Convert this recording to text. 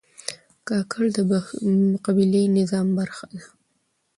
کاکړ د قبایلي نظام برخه ده.